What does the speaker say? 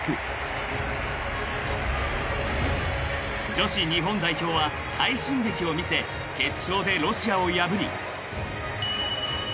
［女子日本代表は快進撃を見せ決勝でロシアを破り］